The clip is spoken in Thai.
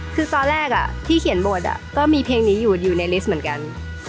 คือตอนแรกที่เขียนบทก็มีเพลงนี้อยู่ในลิสต์เหมือนกัน